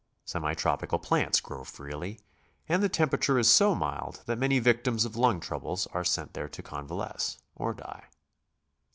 Semi tropical plants grow freely, and the tem perature is so mild that many victims of lung troubles are sent there to convalesce, or die.